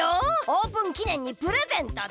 オープンきねんにプレゼントだ！